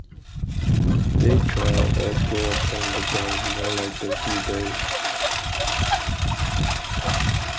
They trail or grow upon the ground more like the dewberry.